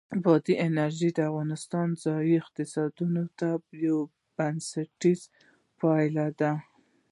بادي انرژي د افغانستان د ځایي اقتصادونو یو بنسټیز پایایه دی.